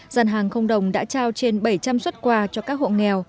dân hàng không đồng đã trao trên bảy trăm linh xuất quà cho các hộ nghèo